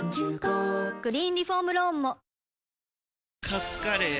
カツカレー？